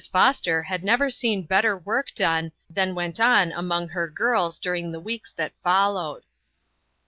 Foster had never seen better work done than went on among her girls during the weeks that followed.